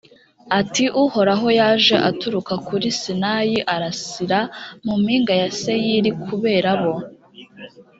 atiuhoraho yaje aturuka kuri sinayi arasira mu mpinga ya seyiri kubera bo.